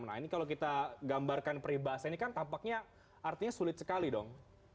nah ini kalau kita gambarkan peribahasa ini kan tampaknya artinya sulit sekali dong